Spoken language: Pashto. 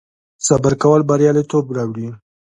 صبر کول بریالیتوب راوړي